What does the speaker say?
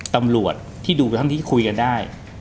ตำรวจที่ดูทั้งที่คุยกันได้